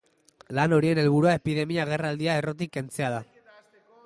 Lan horien helburua epidemia-agerraldia errotik kentzea da.